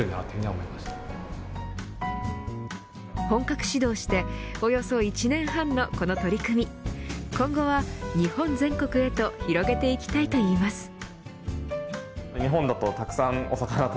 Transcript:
本格始動しておよそ１年半のこの取り組み今後は日本全国へと広げていきたいと言います。